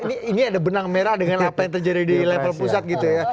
ini ada benang merah dengan apa yang terjadi di level pusat gitu ya